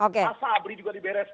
mas sabri juga dibereskan